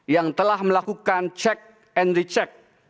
yang telah melakukan cek and recheck